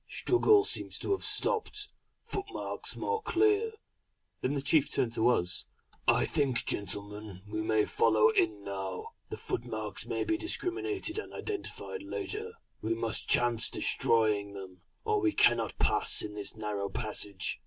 Struggle seems to have stopped. Footmarks more clear."... Then the chief turned to us: "I think gentlemen, we may follow in now. The footmarks may be discriminated and identified later. We must chance destroying them, or we cannot pass in this narrow passage."